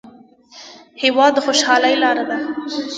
هېواد د خوشحالۍ لار ده.